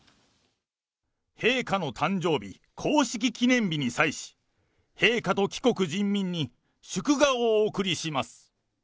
陛下の誕生日、公式記念日に際し、陛下と貴国人民に祝賀をお送りします。